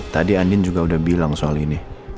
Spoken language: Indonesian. tadi andin juga udah bilang soal ini